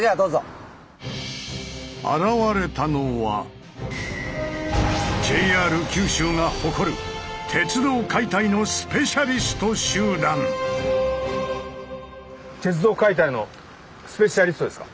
現れたのはＪＲ九州が誇る鉄道解体のスペシャリストですか？